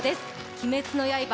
「鬼滅の刃」